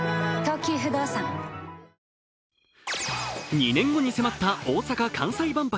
２年後に迫った大阪・関西万博。